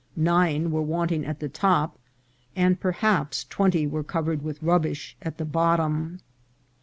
Nine were wanting at the top, and perhaps twenty were covered with rubbish at the bottom.